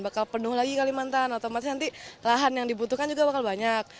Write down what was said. bakal penuh lagi kalimantan otomatis nanti lahan yang dibutuhkan juga bakal banyak